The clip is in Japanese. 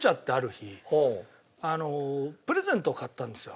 あのプレゼントを買ったんですよ。